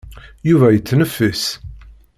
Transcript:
Yuba yettneffis.